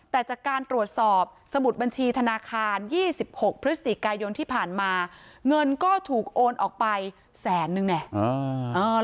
แต่จากการตรวจสอบสมุดบัญชีธนาคาร๒๖พฤศจิกายนที่ผ่านมาเงินก็ถูกโอนออกไปแสนนึงเนี่ย